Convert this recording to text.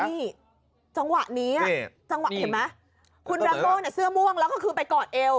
นี่จังหวะนี้จังหวะเห็นไหมคุณแรมโบ้เนี่ยเสื้อม่วงแล้วก็คือไปกอดเอว